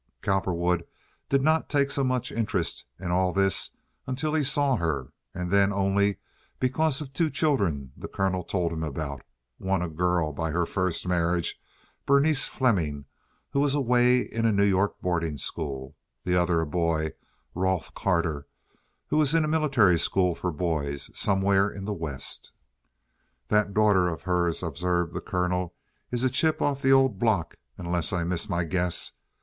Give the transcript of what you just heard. Cowperwood did not take so much interest in all this until he saw her, and then only because of two children the Colonel told him about, one a girl by her first marriage, Berenice Fleming, who was away in a New York boarding school, the other a boy, Rolfe Carter, who was in a military school for boys somewhere in the West. "That daughter of hers," observed the Colonel, "is a chip of the old block, unless I miss my guess.